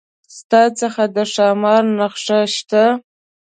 ستا څخه د ښامار نخښه شته؟